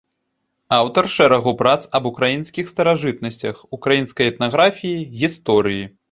Аўтар шэрагу прац аб украінскіх старажытнасцях, украінскай этнаграфіі, гісторыі.